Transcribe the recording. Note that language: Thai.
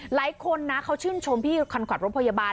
หลายคนนะเขาชื่นชมพี่คันขับรถพยาบาล